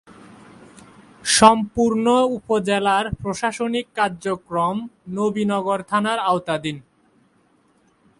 সম্পূর্ণ উপজেলার প্রশাসনিক কার্যক্রম নবীনগর থানার আওতাধীন।